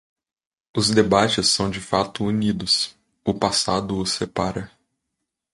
Os debates são de fato unidos; o passado os separa.